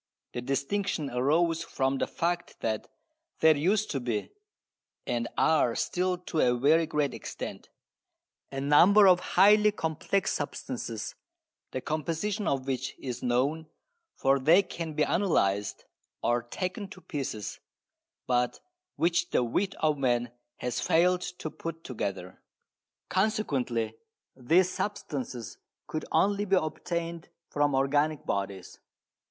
The distinction arose from the fact that there used to be (and are still to a very great extent) a number of highly complex substances the composition of which is known, for they can be analysed, or taken to pieces, but which the wit of man has failed to put together. Consequently these substances could only be obtained from organic bodies.